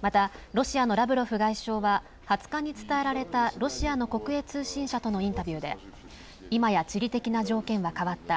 また、ロシアのラブロフ外相は２０日に伝えられたロシアの国営通信社とのインタビューで今や地理的な条件は変わった。